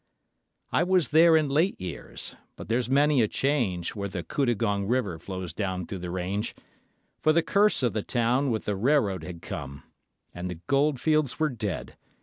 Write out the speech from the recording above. I was there in late years, but there's many a change Where the Cudgegong River flows down through the range, For the curse of the town with the railroad had come, And the goldfields were dead.